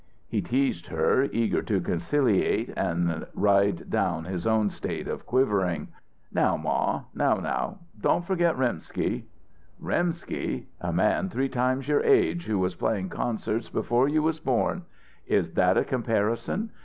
He teased her, eager to conciliate and ride down his own state of quivering. "Now, ma now now don't forget Rimsky!" "'Rimsky!' A man three times your age who was playing concerts before you was born! Is that a comparison?